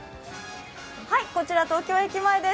こちら東京駅前です。